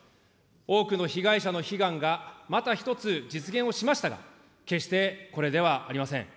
多くの被害者の悲願がまた一つ、実現をしましたが、決してこれではありません。